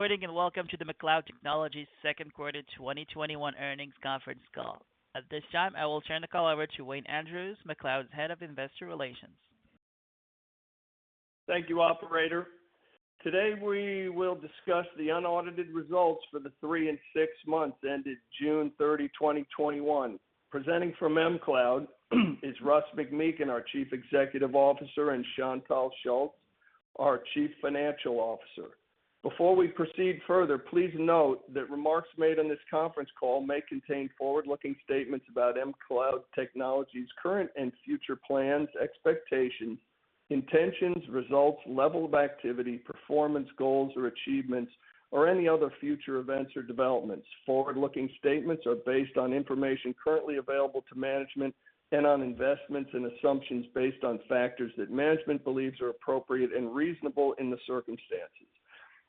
Good morning, and welcome to the mCloud Technologies second quarter 2021 earnings conference call. At this time, I will turn the call over to Wayne Andrews, mCloud's Head of Investor Relations. Thank you, operator. Today, we will discuss the unaudited results for the three and six months ended June 30, 2021. Presenting for mCloud is Russ McMeekin, our Chief Executive Officer, and Chantal Schutz, our Chief Financial Officer. Before we proceed further, please note that remarks made on this conference call may contain forward-looking statements about mCloud Technologies' current and future plans, expectations, intentions, results, level of activity, performance goals or achievements, or any other future events or developments. Forward-looking statements are based on information currently available to management and on estimates and assumptions based on factors that management believes are appropriate and reasonable in the circumstances.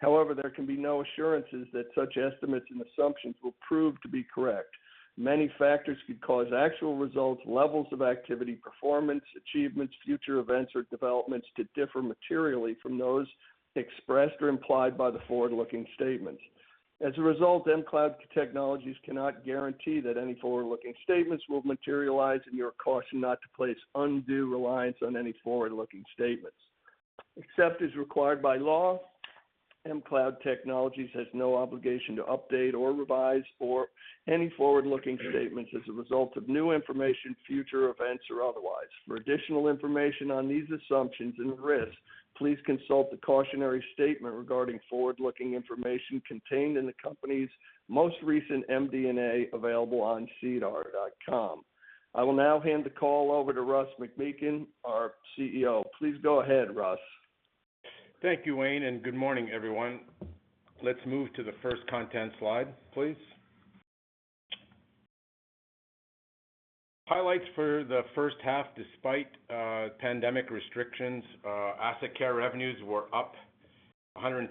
However, there can be no assurances that such estimates and assumptions will prove to be correct. Many factors could cause actual results, levels of activity, performance, achievements, future events, or developments to differ materially from those expressed or implied by the forward-looking statements. As a result, mCloud Technologies cannot guarantee that any forward-looking statements will materialize, and we are cautioned not to place undue reliance on any forward-looking statements. Except as required by law, mCloud Technologies has no obligation to update or revise for any forward-looking statements as a result of new information, future events, or otherwise. For additional information on these assumptions and risks, please consult the cautionary statement regarding forward-looking information contained in the company's most recent MD&A available on sedar.com. I will now hand the call over to Russ McMeekin, our CEO. Please go ahead, Russ. Thank you, Wayne, good morning, everyone. Let's move to the first content slide, please. Highlights for the first half. Despite pandemic restrictions, AssetCare revenues were up 102%,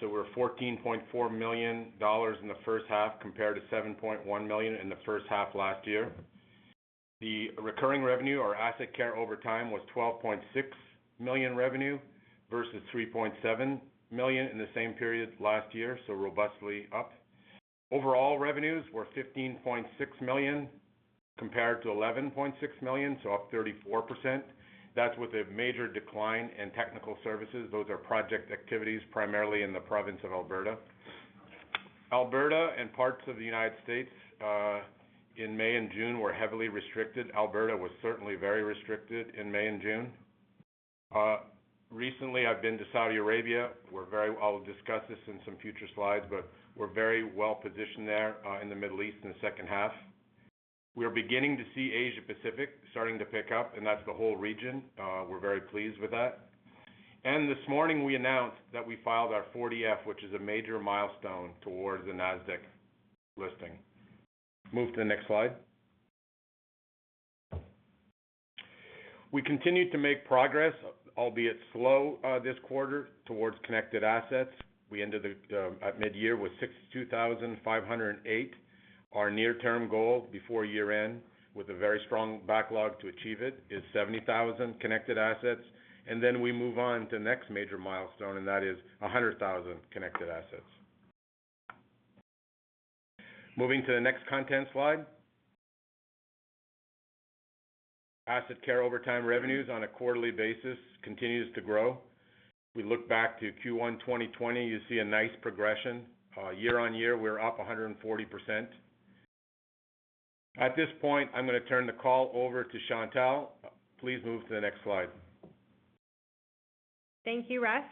so we're 14.4 million dollars in the first half, compared to 7.1 million in the first half last year. The recurring revenue or AssetCare over time was 12.6 million revenue versus 3.7 million in the same period last year, so robustly up. Overall revenues were 15.6 million compared to 11.6 million, so up 34%. That's with a major decline in technical services. Those are project activities, primarily in the province of Alberta. Alberta and parts of the United States in May and June were heavily restricted. Alberta was certainly very restricted in May and June. Recently, I've been to Saudi Arabia. I'll discuss this in some future slides, but we're very well-positioned there in the Middle East in the second half. We are beginning to see Asia Pacific starting to pick up, and that's the whole region. We're very pleased with that. This morning, we announced that we filed our 40-F, which is a major milestone towards the NASDAQ listing. Move to the next slide. We continued to make progress, albeit slow this quarter, towards connected assets. We ended at mid-year with 62,508. Our near-term goal before year-end, with a very strong backlog to achieve it, is 70,000 connected assets. Then we move on to the next major milestone, and that is 100,000 connected assets. Moving to the next content slide. AssetCare over time revenues on a quarterly basis continues to grow. We look back to Q1 2020, you see a nice progression. Year-on-year, we're up 140%. At this point, I'm going to turn the call over to Chantal. Please move to the next slide. Thank you, Russ.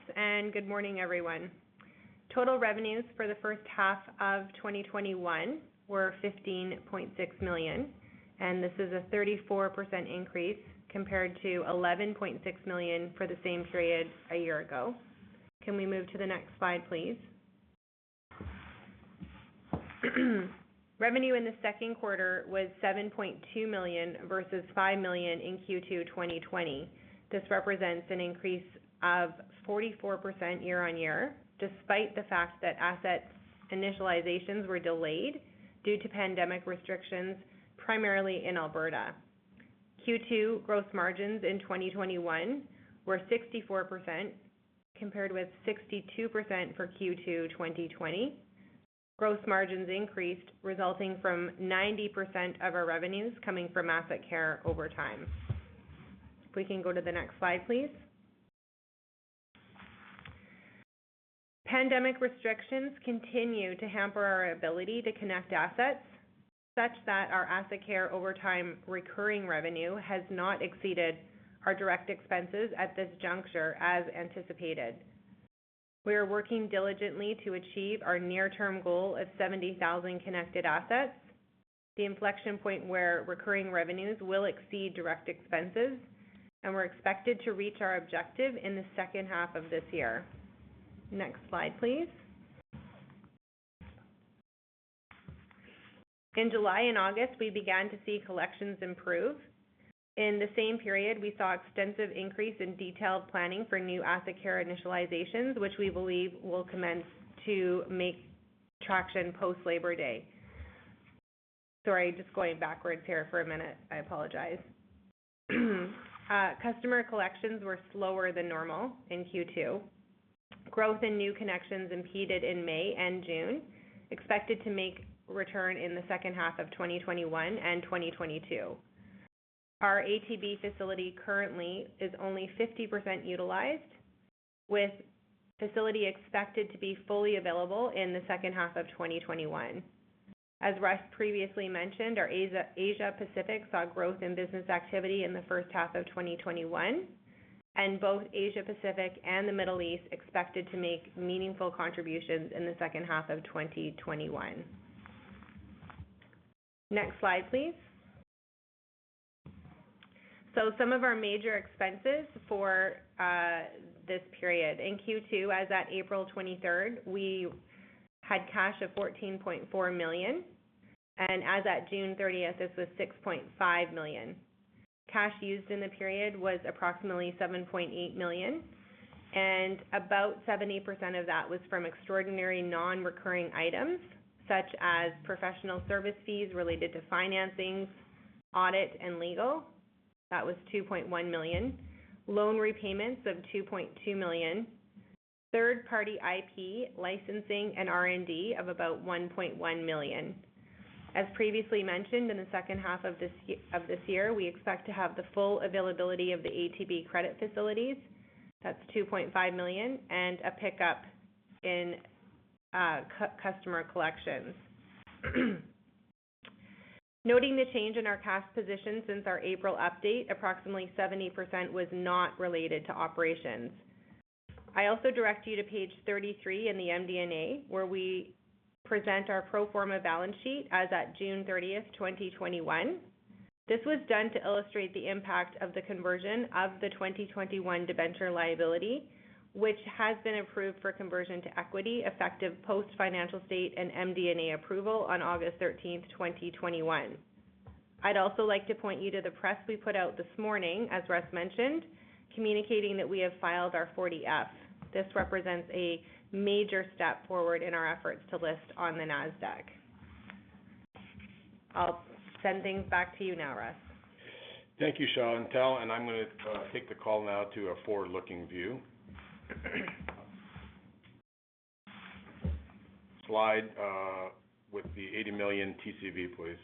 Good morning, everyone. Total revenues for the first half of 2021 were 15.6 million, and this is a 34% increase compared to 11.6 million for the same period a year ago. Can we move to the next slide, please? Revenue in the second quarter was 7.2 million versus 5 million in Q2 2020. This represents an increase of 44% year-on-year, despite the fact that asset initializations were delayed due to pandemic restrictions, primarily in Alberta. Q2 gross margins in 2021 were 64%, compared with 62% for Q2 2020. Gross margins increased, resulting from 90% of our revenues coming from AssetCare over time. If we can go to the next slide, please. Pandemic restrictions continue to hamper our ability to connect assets, such that our AssetCare over time recurring revenue has not exceeded our direct expenses at this juncture, as anticipated. We are working diligently to achieve our near-term goal of 70,000 connected assets, the inflection point where recurring revenues will exceed direct expenses, and we're expected to reach our objective in the second half of this year. Next slide, please. In July and August, we began to see collections improve. In the same period, we saw extensive increase in detailed planning for new AssetCare initializations, which we believe will commence to make traction post-Labor Day. Sorry, just going backwards here for a minute. I apologize. Customer collections were slower than normal in Q2. Growth in new connections impeded in May and June, expected to make a return in the second half of 2021 and 2022. Our ATB facility currently is only 50% utilized, with facility expected to be fully available in the second half of 2021. As Russ previously mentioned, our Asia-Pacific saw growth in business activity in the first half of 2021, and both Asia-Pacific and the Middle East expected to make meaningful contributions in the second half of 2021. Next slide, please. Some of our major expenses for this period. In Q2, as at April 23rd, we had cash of 14.4 million. As at June 30th, this was 6.5 million. Cash used in the period was approximately 7.8 million, and about 70% of that was from extraordinary non-recurring items, such as professional service fees related to financings, audit, and legal. That was 2.1 million. Loan repayments of 2.2 million. Third-party IP licensing and R&D of about 1.1 million. As previously mentioned, in the second half of this year, we expect to have the full availability of the ATB credit facilities, that's 2.5 million, and a pickup in customer collections. Noting the change in our cash position since our April update, approximately 70% was not related to operations. I also direct you to page 33 in the MD&A, where we present our pro forma balance sheet as at June 30th, 2021. This was done to illustrate the impact of the conversion of the 2021 debenture liability, which has been approved for conversion to equity effective post-financial state and MD&A approval on August 13th, 2021. I'd also like to point you to the press we put out this morning, as Russ mentioned, communicating that we have filed our 40-F. This represents a major step forward in our efforts to list on the NASDAQ. I'll send things back to you now, Russ. Thank you, Chantal, and I'm going to take the call now to a forward-looking view. Slide with the 80 million TCV, please.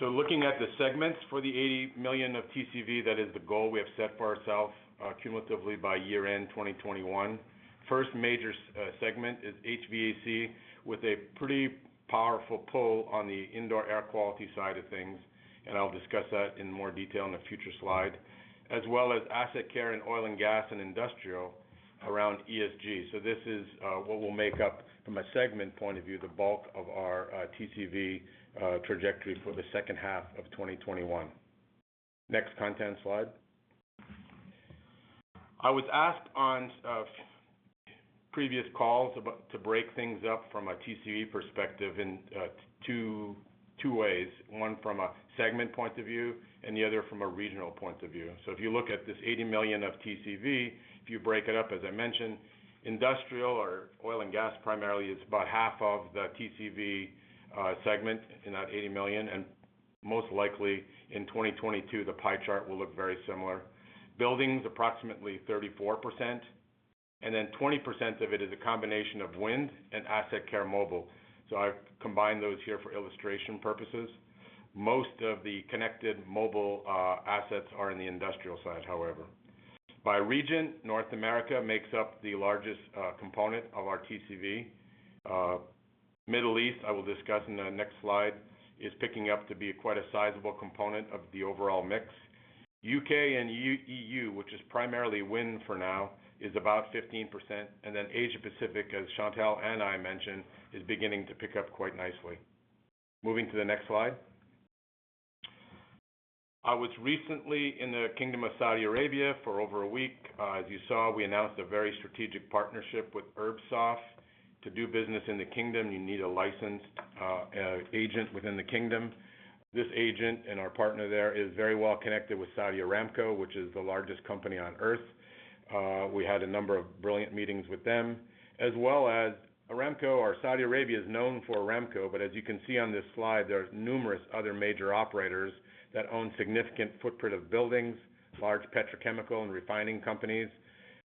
Looking at the segments for the 80 million of TCV, that is the goal we have set for ourselves cumulatively by year-end 2021. First major segment is HVAC, with a pretty powerful pull on the indoor air quality side of things, and I'll discuss that in more detail in a future slide, as well as AssetCare in oil and gas and industrial around ESG. This is what will make up, from a segment point of view, the bulk of our TCV trajectory for the second half of 2021. Next content slide. I was asked on previous calls to break things up from a TCV perspective in two ways, one from a segment point of view and the other from a regional point of view. If you look at this 80 million of TCV, if you break it up, as I mentioned, industrial or oil and gas primarily is about half of the TCV segment in that 80 million. Most likely in 2022, the pie chart will look very similar. Buildings, approximately 34%, and then 20% of it is a combination of wind and AssetCare Mobile. I've combined those here for illustration purposes. Most of the connected mobile assets are in the industrial side, however. By region, North America makes up the largest component of our TCV. Middle East, I will discuss in the next slide, is picking up to be quite a sizable component of the overall mix. U.K. and E.U., which is primarily wind for now, is about 15%. Asia-Pacific, as Chantal and I mentioned, is beginning to pick up quite nicely. Moving to the next slide. I was recently in the Kingdom of Saudi Arabia for over a week. As you saw, we announced a very strategic partnership with URBSOFT. To do business in the kingdom, you need a licensed agent within the kingdom. This agent and our partner there is very well connected with Saudi Aramco, which is the largest company on Earth. We had a number of brilliant meetings with them. Aramco, or Saudi Arabia is known for Aramco, but as you can see on this slide, there are numerous other major operators that own significant footprint of buildings, large petrochemical and refining companies.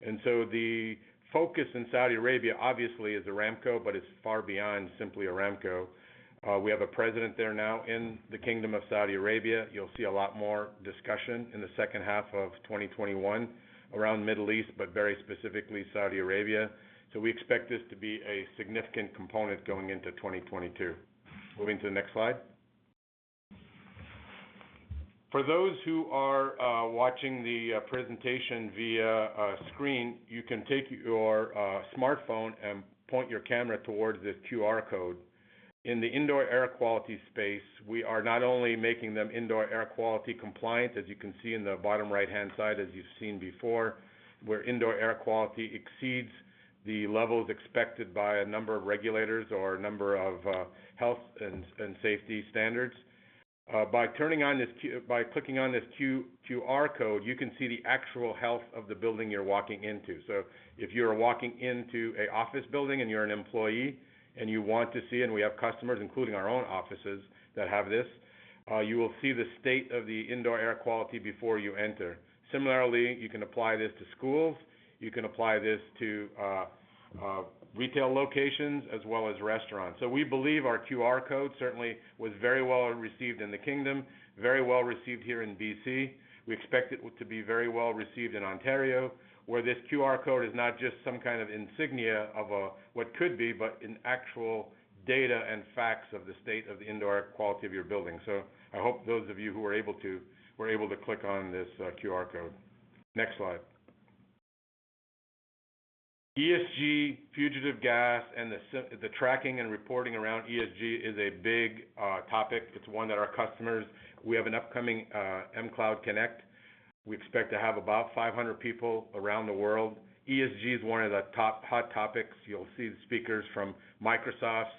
The focus in Saudi Arabia obviously is Aramco, but it is far beyond simply Aramco. We have a president there now in the Kingdom of Saudi Arabia. You'll see a lot more discussion in the second half of 2021 around Middle East, but very specifically Saudi Arabia. We expect this to be a significant component going into 2022. Moving to the next slide. For those who are watching the presentation via a screen, you can take your smartphone and point your camera towards this QR code. In the indoor air quality space, we are not only making them indoor air quality compliant, as you can see in the bottom right-hand side, as you've seen before, where indoor air quality exceeds the levels expected by a number of regulators or a number of health and safety standards. By clicking on this QR code, you can see the actual health of the building you're walking into. If you're walking into an office building and you're an employee and you want to see, and we have customers, including our own offices, that have this, you will see the state of the indoor air quality before you enter. Similarly, you can apply this to schools. You can apply this to retail locations as well as restaurants. We believe our QR code certainly was very well received in the Kingdom, very well received here in BC. We expect it to be very well received in Ontario, where this QR code is not just some kind of insignia of what could be, but an actual data and facts of the state of the indoor air quality of your building. I hope those of you who were able to click on this QR code. Next slide. ESG, fugitive gas, and the tracking and reporting around ESG is a big topic. It's one that our customers. We have an upcoming mCloud Connect. We expect to have about 500 people around the world. ESG is one of the top hot topics. You'll see the speakers from Microsoft's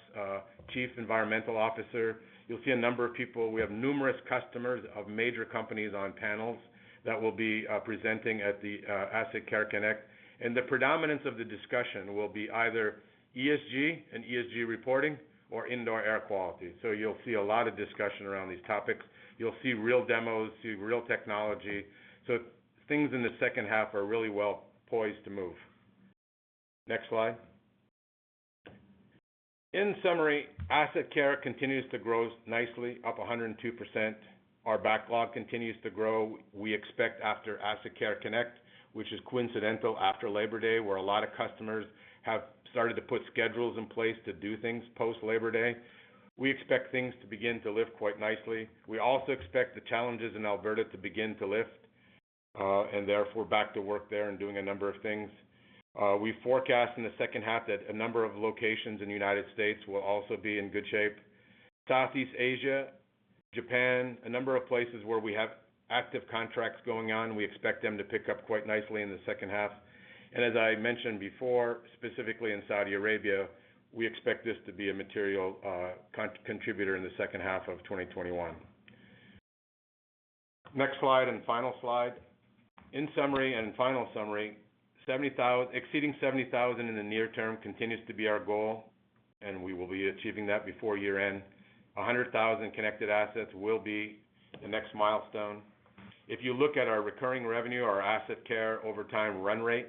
chief environmental officer. You'll see a number of people. We have numerous customers of major companies on panels that will be presenting at the AssetCare Connect. The predominance of the discussion will be either ESG and ESG reporting or indoor air quality. You'll see a lot of discussion around these topics. You'll see real demos, see real technology. Things in the second half are really well poised to move. Next slide. In summary, AssetCare continues to grow nicely, up 102%. Our backlog continues to grow. We expect after mCloud Connect, which is coincidental after Labor Day, where a lot of customers have started to put schedules in place to do things post-Labor Day. We expect things to begin to lift quite nicely. We also expect the challenges in Alberta to begin to lift, and therefore back to work there and doing a number of things. We forecast in the second half that a number of locations in the United States will also be in good shape. Southeast Asia, Japan, a number of places where we have active contracts going on, we expect them to pick up quite nicely in the second half. As I mentioned before, specifically in Saudi Arabia, we expect this to be a material contributor in the second half of 2021. Next slide and final slide. In summary and final summary, exceeding 70,000 in the near term continues to be our goal, and we will be achieving that before year-end. 100,000 connected assets will be the next milestone. If you look at our recurring revenue, our AssetCare over time run rate,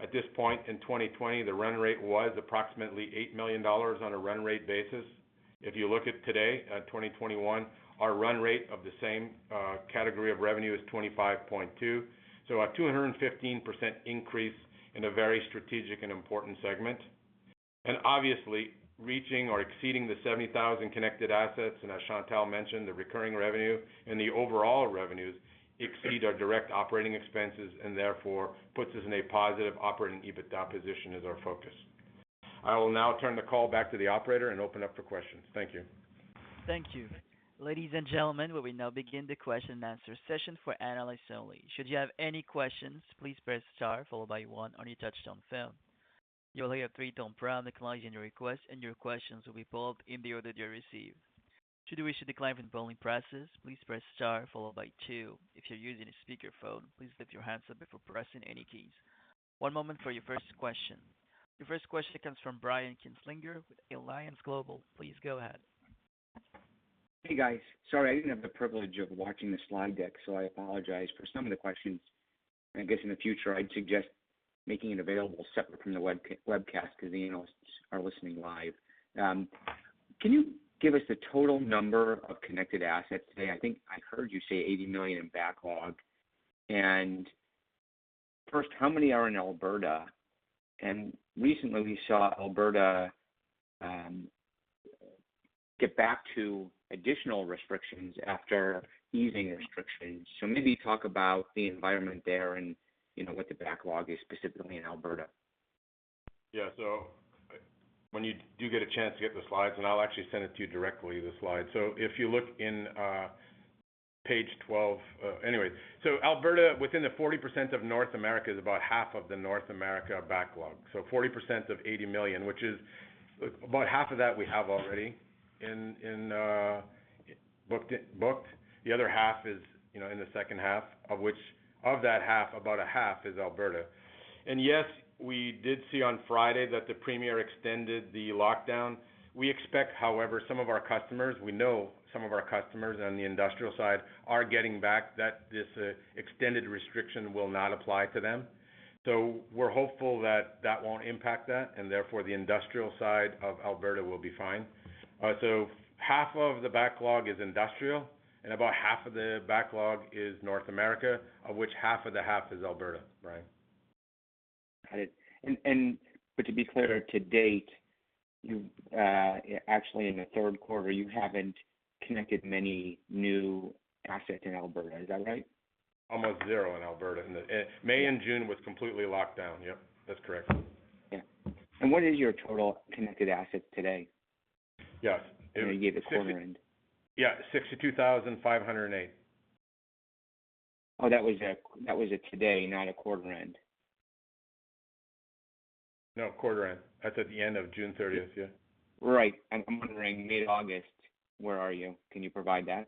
at this point in 2020, the run rate was approximately 8 million dollars on a run rate basis. If you look at today, 2021, our run rate of the same category of revenue is 25.2. A 215% increase in a very strategic and important segment. Obviously, reaching or exceeding the 70,000 connected assets, and as Chantal mentioned, the recurring revenue and the overall revenues exceed our direct operating expenses and therefore puts us in a positive operating EBITDA position is our focus. I will now turn the call back to the operator and open up for questions. Thank you. Thank you. Ladies and gentlemen, we will now begin the question-and-answer session for analysts only. Should you have any question, please press star followed by one on your touchtone phone. Should you wish to decline from the polling process, please press star followed by two. If you're using a speaker phone please lift your handset before pressing any keys. One moment for your first question. Your first question comes from Brian Kinstlinger with Alliance Global. Please go ahead. Hey, guys. Sorry, I didn't have the privilege of watching the slide deck, so I apologize for some of the questions, and I guess in the future, I'd suggest making it available separate from the webcast because the analysts are listening live. Can you give us the total number of connected assets today? I think I heard you say 80 million in backlog. First, how many are in Alberta? Recently, we saw Alberta get back to additional restrictions after easing restrictions. Maybe talk about the environment there and what the backlog is specifically in Alberta. Yeah. When you do get a chance to get the slides, and I'll actually send it to you directly, the slide. If you look in page 12. Anyway. Alberta, within the 40% of North America, is about half of the North America backlog. 40% of 80 million, which is about half of that we have already booked. The other half is in the second half, of which of that half, about a half is Alberta. Yes, we did see on Friday that the Premier extended the lockdown. We expect, however, some of our customers, we know some of our customers on the industrial side are getting back that this extended restriction will not apply to them. We're hopeful that that won't impact that, and therefore, the industrial side of Alberta will be fine. Half of the backlog is industrial and about half of the backlog is North America, of which half of the half is Alberta, Brian. Got it. To be clear, to date, actually in the third quarter, you haven't connected many new assets in Alberta. Is that right? Almost zero in Alberta. May and June was completely locked down. Yep, that's correct. Yeah. What is your total connected assets today? Yes. I know you gave a quarter end. Yeah, 62,508. Oh, that was a today, not a quarter end. No, quarter end. That's at the end of June 30th. Yeah. Right. I'm wondering, mid-August, where are you? Can you provide that?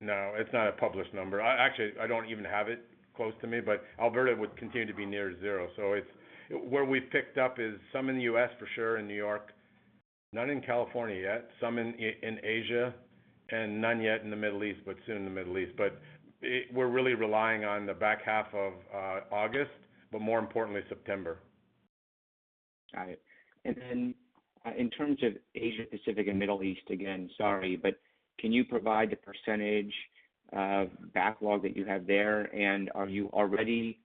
No, it's not a published number. Actually, I don't even have it close to me, but Alberta would continue to be near zero. Where we've picked up is some in the U.S. for sure, in New York, none in California yet, some in Asia, and none yet in the Middle East, but soon in the Middle East. We're really relying on the back half of August, but more importantly, September. Got it. In terms of Asia Pacific and Middle East, again, sorry, but can you provide the percentage of backlog that you have there? Are you already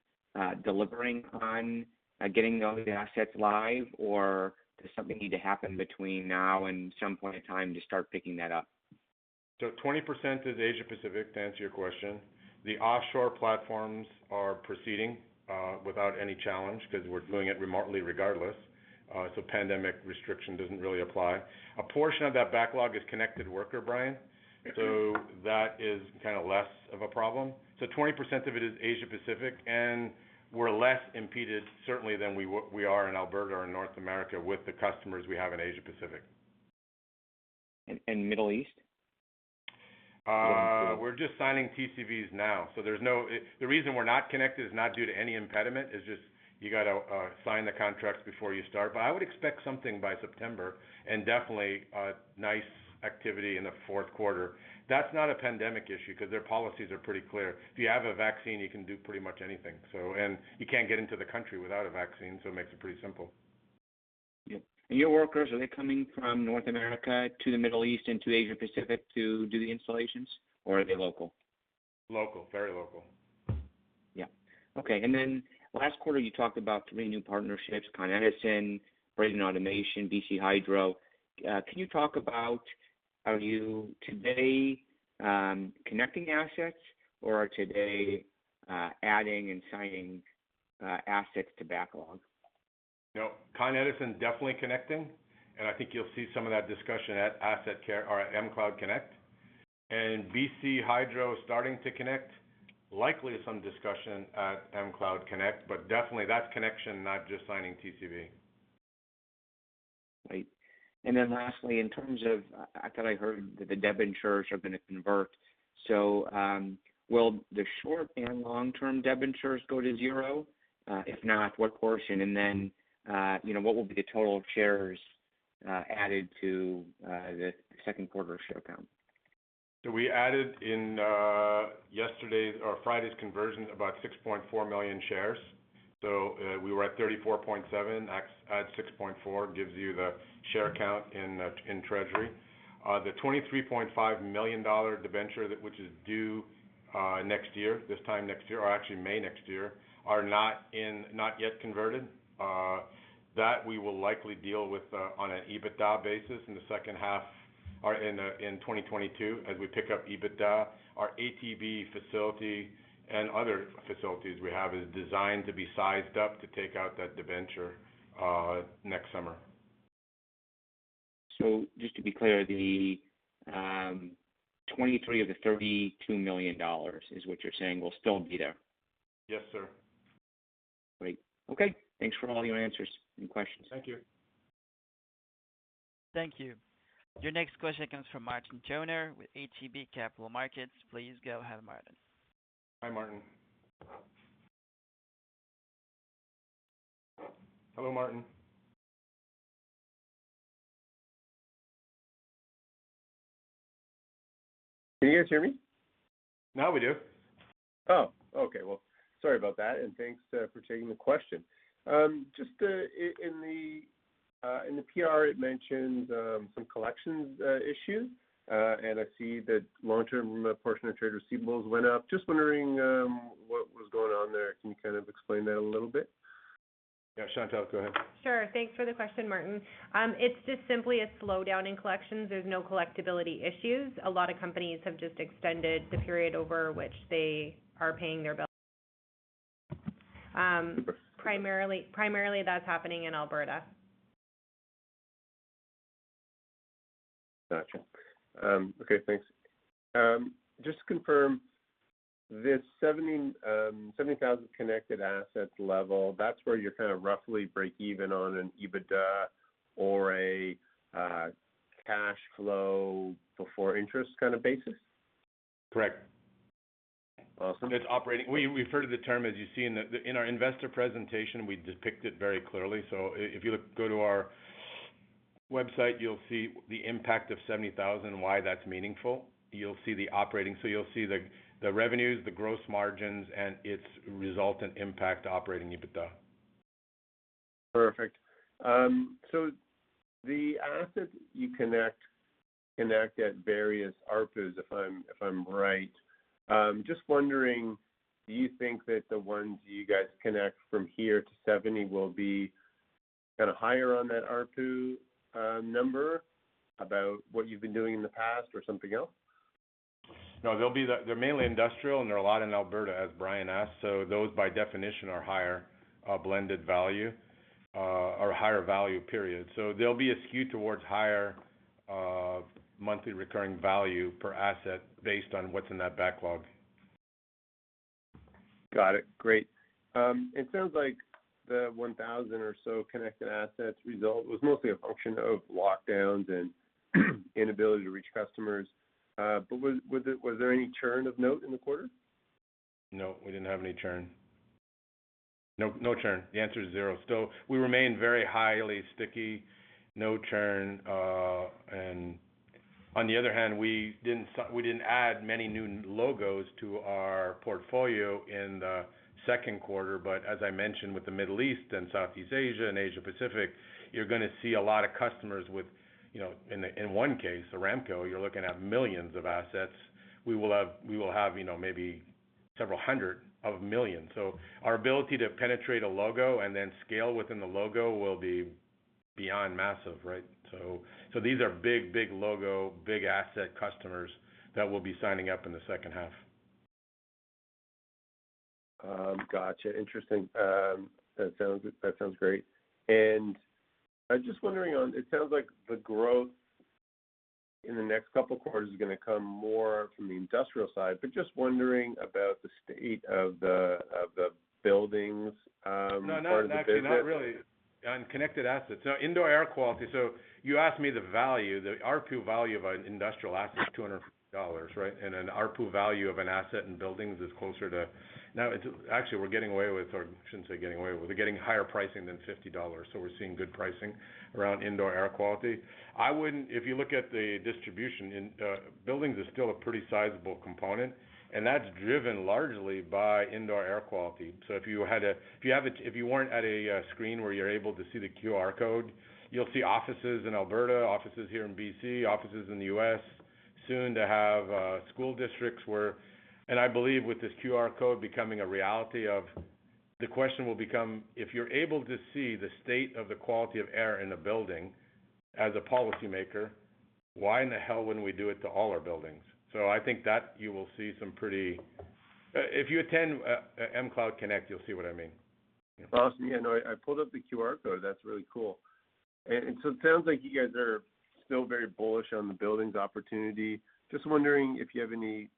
delivering on getting those assets live, or does something need to happen between now and some point in time to start picking that up? 20% is Asia Pacific, to answer your question. The offshore platforms are proceeding without any challenge because we're doing it remotely regardless, so pandemic restriction doesn't really apply. A portion of that backlog is connected worker, Brian. That is less of a problem. 20% of it is Asia Pacific, and we're less impeded certainly than we are in Alberta or in North America with the customers we have in Asia Pacific. Middle East? Going forward. We're just signing TCVs now. The reason we're not connected is not due to any impediment, it's just you got to sign the contracts before you start. I would expect something by September, and definitely a nice activity in the fourth quarter. That's not a pandemic issue because their policies are pretty clear. If you have a vaccine, you can do pretty much anything. You can't get into the country without a vaccine, so it makes it pretty simple. Yeah. Your workers, are they coming from North America to the Middle East and to Asia Pacific to do the installations? Or are they local? Local, very local. Yeah. Okay. Last quarter, you talked about three new partnerships, Con Edison, Brayden Automation, BC Hydro. Can you talk about are you today connecting assets, or are today adding and signing assets to backlog? Con Edison, definitely connecting. I think you'll see some of that discussion at mCloud Connect. BC Hydro is starting to connect, likely some discussion at mCloud Connect. Definitely that's connection, not just signing TCV. Right. Lastly, I thought I heard that the debentures are going to convert. Will the short and long-term debentures go to zero? If not, what portion? What will be the total shares added to the second quarter share count? We added in Friday's conversion about 6.4 million shares. We were at 34.7 million, add 6.4 million, gives you the share count in treasury. The 23.5 million dollar debenture, which is due next year, this time next year, or actually May next year, are not yet converted. That we will likely deal with on an EBITDA basis in the second half or in 2022 as we pick up EBITDA. Our ATB facility and other facilities we have is designed to be sized up to take out that debenture next summer. Just to be clear, the 23 million of the 32 million dollars is what you are saying will still be there? Yes, sir. Great. Okay. Thanks for all your answers and questions. Thank you. Thank you. Your next question comes from Martin Toner with ATB Capital Markets. Please go ahead, Martin. Hi, Martin. Hello, Martin. Can you guys hear me? Now we do. Oh, okay. Well, sorry about that, and thanks for taking the question. Just in the PR, it mentioned some collections issues. I see the long-term portion of trade receivables went up. Just wondering what was going on there. Can you explain that a little bit? Yeah, Chantal, go ahead. Sure. Thanks for the question, Martin. It's just simply a slowdown in collections. There's no collectibility issues. A lot of companies have just extended the period over which they are paying their bills. Primarily, that's happening in Alberta. Got you. Okay, thanks. Just to confirm, this 70,000 connected assets level, that's where you roughly break even on an EBITDA or a cash flow before interest kind of basis? Correct. Awesome. We've heard of the term, as you see in our investor presentation, we depict it very clearly. If you go to our website, you'll see the impact of 70,000, why that's meaningful. You'll see the revenues, the gross margins, and its resultant impact operating EBITDA. Perfect. The assets you connect at various ARPU, if I'm right. Just wondering, do you think that the ones you guys connect from here to 70 will be higher on that ARPU number about what you've been doing in the past or something else? No. They're mainly industrial, and they're a lot in Alberta, as Brian asked. Those by definition are higher blended value or higher value, period. They'll be skewed towards higher monthly recurring value per asset based on what's in that backlog. Got it. Great. It sounds like the 1,000 or so connected assets result was mostly a function of lockdowns and inability to reach customers. Was there any churn of note in the quarter? No, we didn't have any churn. No churn. The answer is zero. We remain very highly sticky, no churn, and on the other hand, we didn't add many new logos to our portfolio in the second quarter, but as I mentioned, with the Middle East and Southeast Asia and Asia Pacific, you're going to see a lot of customers with, in one case, Aramco, you're looking at millions of assets. We will have maybe several hundred millions. Our ability to penetrate a logo and then scale within the logo will be beyond massive, right? These are big logo, big asset customers that we'll be signing up in the second half. Got you. Interesting. That sounds great. I was just wondering, it sounds like the growth in the next couple quarters is going to come more from the industrial side, but just wondering about the state of the buildings part of the business. No, actually not really. On connected assets. Now, indoor air quality, so you asked me the value, the ARPU value of an industrial asset is 250 dollars, right? An ARPU value of an asset in buildings is closer to Actually, we're getting away with, or I shouldn't say getting away with, we're getting higher pricing than 50 dollars. We're seeing good pricing around indoor air quality. If you look at the distribution, buildings is still a pretty sizable component, and that's driven largely by indoor air quality. If you weren't at a screen where you're able to see the QR code, you'll see offices in Alberta, offices here in BC, offices in the U.S., soon to have school districts where, and I believe with this QR code becoming a reality of, the question will become if you're able to see the state of the quality of air in a building as a policymaker, why in the hell wouldn't we do it to all our buildings? I think that you will see. If you attend mCloud Connect, you'll see what I mean. Awesome. Yeah, no, I pulled up the QR code. That's really cool. It sounds like you guys are still very bullish on the buildings opportunity. Just wondering if you have any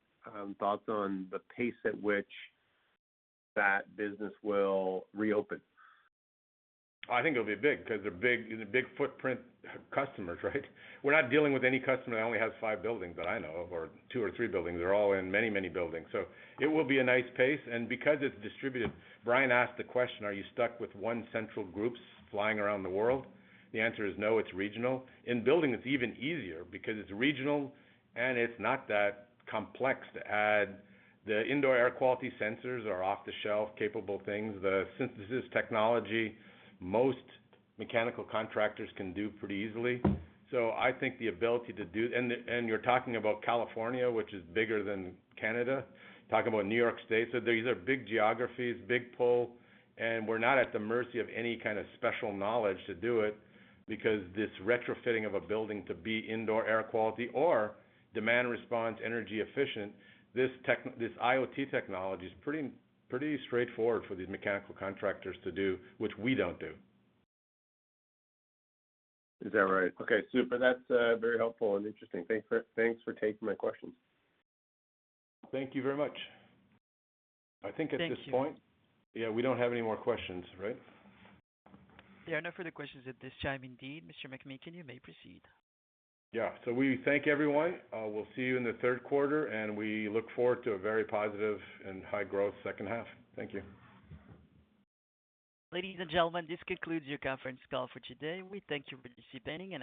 thoughts on the pace at which that business will reopen. I think it'll be big because they're big footprint customers, right? We're not dealing with any customer that only has five buildings that I know of, or two or three buildings. They're all in many buildings. It will be a nice pace, and because it's distributed, Brian asked the question, are you stuck with one central groups flying around the world? The answer is no, it's regional. In building it's even easier because it's regional and it's not that complex to add. The indoor air quality sensors are off-the-shelf capable things. The synthesis technology, most mechanical contractors can do pretty easily. You're talking about California, which is bigger than Canada, talking about New York State. These are big geographies, big pull, and we're not at the mercy of any kind of special knowledge to do it because this retrofitting of a building to be indoor air quality or demand response energy efficient, this IoT technology is pretty straightforward for these mechanical contractors to do, which we don't do. Is that right? Okay, super. That's very helpful and interesting. Thanks for taking my questions. Thank you very much. Thank you. yeah, we don't have any more questions, right? There are no further questions at this time, indeed. Mr. McMeekin, you may proceed. We thank everyone. We'll see you in the third quarter, and we look forward to a very positive and high-growth second half. Thank you. Ladies and gentlemen, this concludes your conference call for today. We thank you for participating.